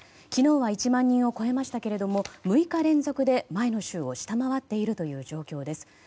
昨日は１万人を超えましたけれど６日連続で前の週を下回っているという状況です。